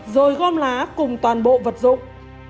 rồi gom lá cùng toàn bộ vật dụng